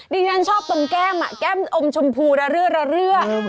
ดิฉันชอบตรงแก้มแก้มอมชมพูระเรื่อย